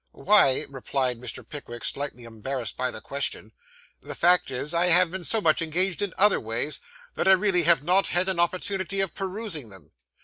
'Why,' replied Mr. Pickwick, slightly embarrassed by the question, 'the fact is, I have been so much engaged in other ways, that I really have not had an opportunity of perusing them.